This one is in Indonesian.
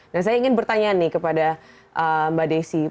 dan saya ingin bertanya nih kepada mbak desy